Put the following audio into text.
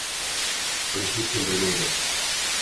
Buni hech kim bilmaydi.